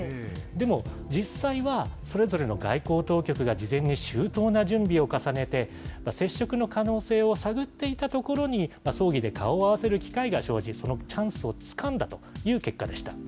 でも実際は、それぞれの外交当局が事前に周到な準備を重ねて、接触の可能性を探っていたところに、葬儀で顔を合わせる機会が生じ、そのチャンスをつかんだという結果でした。